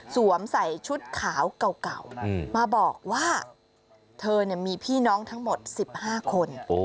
ใส่ชุดขาวเก่ามาบอกว่าเธอมีพี่น้องทั้งหมด๑๕คน